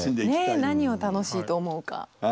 ねっ何を楽しいと思うか。